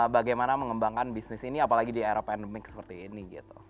bagaimana mengembangkan bisnis ini apalagi di era pandemik seperti ini